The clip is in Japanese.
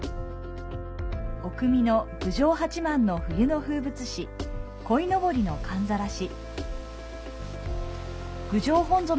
奥美濃、郡上八幡の冬の風物詩、鯉のぼりの寒ざらし。